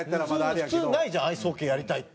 普通ないじゃんアイスホッケーやりたいって。